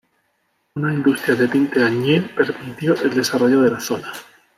Una industria de tinte añil permitió el desarrollo de la zona.